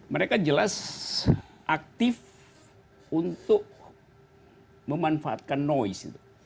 mereka jelas aktif untuk memanfaatkan noise